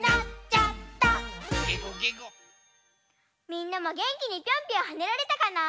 みんなもげんきにピョンピョンはねられたかな？